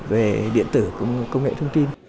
về điện tử công nghệ thông tin